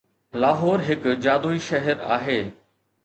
لاهور هڪ جادوئي شهر آهي